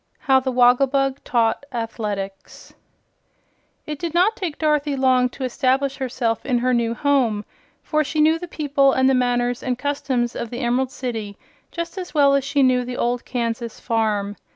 How the Wogglebug Taught Athletics It did not take Dorothy long to establish herself in her new home, for she knew the people and the manners and customs of the Emerald City just as well as she knew the old Kansas farm.